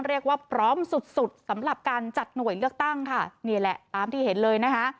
เรียกว่าพร้อมสุดสุดสำหรับการจัดหน่วยเลือกตั้งค่ะนี่แหละตามที่เห็นเลยนะคะ